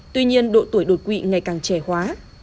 tuy nhiên độ tuổi đột quỵ ngày càng trẻ hóa